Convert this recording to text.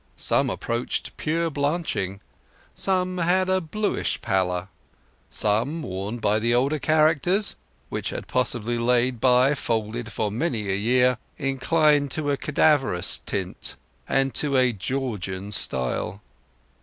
Some approached pure blanching; some had a bluish pallor; some worn by the older characters (which had possibly lain by folded for many a year) inclined to a cadaverous tint, and to a Georgian style.